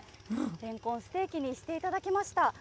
レンコンステーキにしていただきました。